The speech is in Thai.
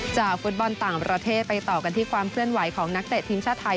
ฟุตบอลต่างประเทศไปต่อกันที่ความเคลื่อนไหวของนักเตะทีมชาติไทย